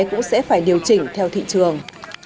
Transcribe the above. cũng sẽ phải điều chỉnh theo thị trường